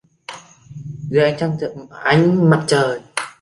Dưới ánh mặt trời